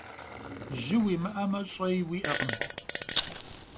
Jı vuimı'eme, ş'ei vui'ekhım.